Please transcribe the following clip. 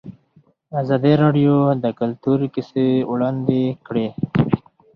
ازادي راډیو د کلتور کیسې وړاندې کړي.